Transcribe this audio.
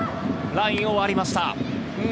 ラインを割りました。